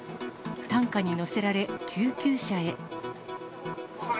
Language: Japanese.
担架に乗せられ救急車へ。